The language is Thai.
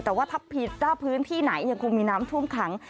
แต่ว่าถ้าพื้นที่ไหนยังคงมีน้ำท่วมขัง